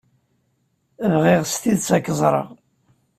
Bɣiɣ s tidet ad k-ẓreɣ.